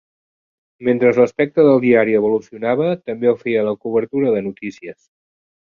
Mentre l'aspecte del diari evolucionava, també ho feia la cobertura de notícies.